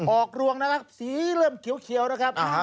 ออกรวงนะครับสีเริ่มเขียวเขียวนะครับอ่าฮะ